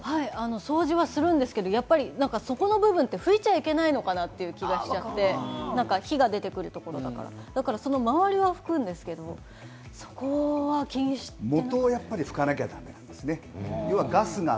掃除はするんですけど、そこの部分って拭いちゃいけないのかなっていう気がしちゃって、火が出てくるところだから、だからその周りは拭くんですけど、そこは気にしてないですね。